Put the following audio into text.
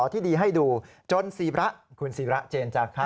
ที่ดีให้ดูจนสีระคุณสีระเจนจ้ะค่ะ